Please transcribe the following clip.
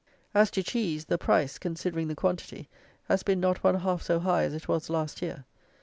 As to cheese, the price, considering the quantity, has been not one half so high as it was last year.